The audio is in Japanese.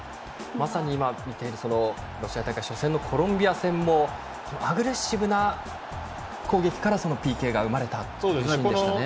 まさに今見ているロシア大会初戦のコロンビア戦もアグレッシブな攻撃からＰＫが生まれましたね。